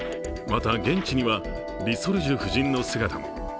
また現地にはリ・ソルジュ夫人の姿も。